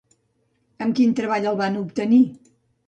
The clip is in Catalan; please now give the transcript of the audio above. Amb quin treball el va obtenir?